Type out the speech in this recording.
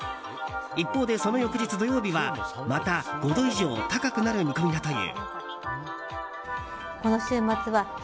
一方で、その翌日土曜日はまた５度以上高くなる見込みだという。